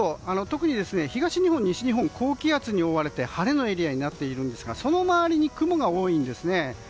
特に東日本、西日本高気圧に覆われて、晴れのエリアになっているんですがその周りに雲が多いんですね。